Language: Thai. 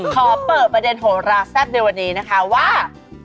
ขอเปิดประเด็นโหราแซ่บในวันนี้นะคะว่า